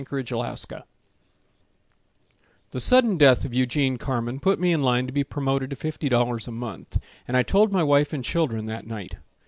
Clarence Fawcett The sudden death of Eugene Carman Put me in line to be promoted to fifty dollars a month, And I told my wife and children that night.